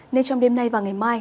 nên trong đêm nay và ngày mai